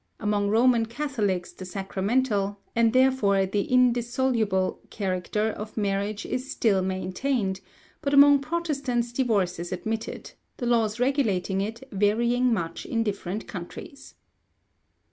Among Roman Catholics the sacramental and therefore the indissoluble character of marriage is still maintained, but among Protestants divorce is admitted, the laws regulating it varying much in different countries.